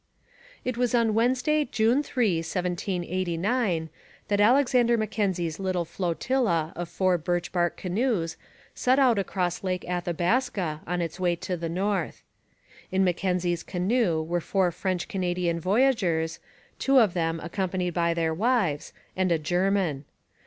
It was on Wednesday, June 3, 1789, that Alexander Mackenzie's little flotilla of four birch bark canoes set out across Lake Athabaska on its way to the north. In Mackenzie's canoe were four French Canadian voyageurs, two of them accompanied by their wives, and a German.